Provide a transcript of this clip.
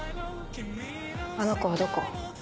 あの子はどこ？